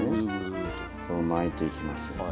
これを巻いていきます。